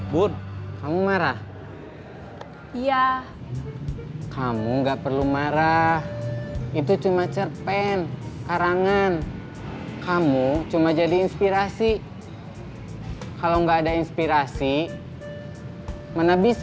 bud kamu marah iya kamu nggak perlu marah itu cuma cerpen karangan kamu cuma jadi inspirasi kalau enggak ada inspirasi mana bisa